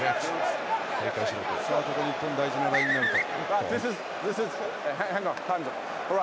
ここ日本、大事なラインアウト。